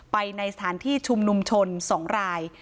ไปในสถานที่ชุมนุมชน๒ราย